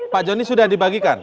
pak joni sudah dibagikan